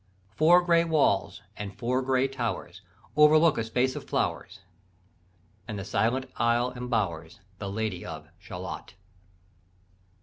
Four gray walls, and four gray towers, Overlook a space of flowers. And the silent isle embowers The Lady of Shalott....